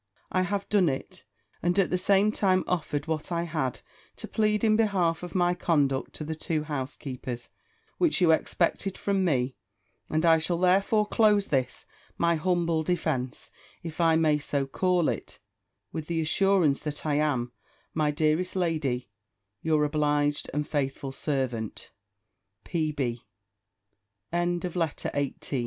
I have done it, and at the same time offered what I had to plead in behalf of my conduct to the two housekeepers, which you expected from me; and I shall therefore close this my humble defence, if I may so call it, with the assurance that I am, my dearest lady, your obliged and faithful servant, P.B. LETTER XIX _F